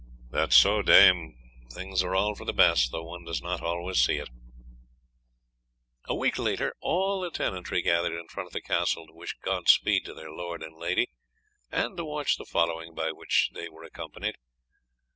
"That is so, dame, things are all for the best, though one does not always see it." A week later all the tenantry gathered in front of the castle to wish God speed to their lord and lady, and to watch the following by which they were accompanied.